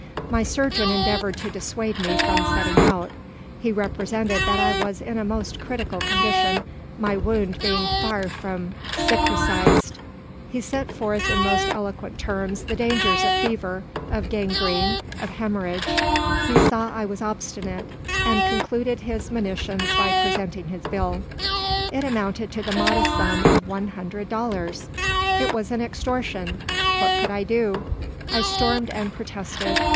My surgeon endeavoured to dissuade me from setting out. He represented that I was in a most critical condition, my wound far from being cicatrised. He set forth in most eloquent terms the dangers of fever, of gangrene, of haemorrhage. He saw I was obstinate, and concluded his monitions by presenting his bill. It amounted to the modest sum of one hundred dollars! It was an extortion. What could I do? I stormed and protested.